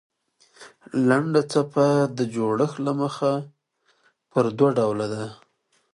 لنډه څپه د جوړښت له مخه پر دوه ډوله ده.